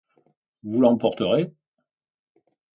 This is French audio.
Vous l'emporterez?